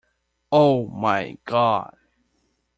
Oh, my God!